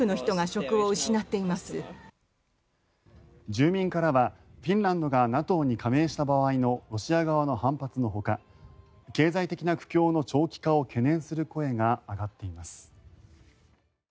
住民からはフィンランドがＮＡＴＯに加盟した場合のロシア側の反発のほか経済的な苦境の長期化を懸念する声が上がっています。